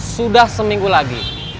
sudah seminggu lagi